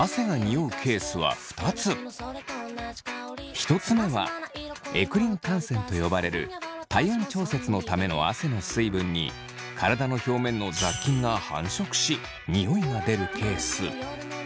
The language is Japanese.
一つ目はエクリン汗腺と呼ばれる体温調節のための汗の水分に体の表面の雑菌が繁殖しニオイが出るケース。